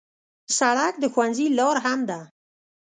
سړک د ښوونځي لار هم ده.